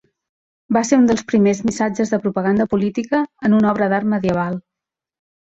Va ser un dels primers missatges de propaganda política en una obra d'art medieval.